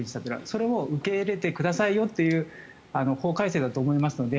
それを受け入れてくださいよという法改正だと思いますので。